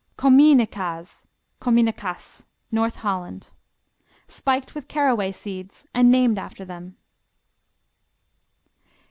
Komijnekaas, Komynekass North Holland Spiked with caraway seeds and named after them.